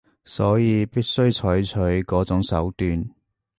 所以必須採取嗰種手段